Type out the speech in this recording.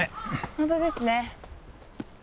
本当ですね。